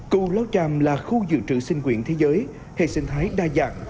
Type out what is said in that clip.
cù lao chàm là khu dự trữ sinh quyền thế giới hệ sinh thái đa dạng